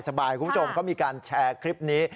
คุณผู้ชมเขามีการแชร์คลิปนี้